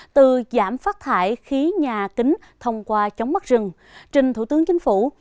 từ giảm phát thải khí nhà kính thông qua chống mắt rừng trình thủ tướng chính phủ